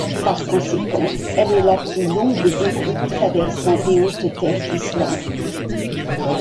Par conséquent, elle est la plus longue des routes traversant les Hautes Terres d'Islande.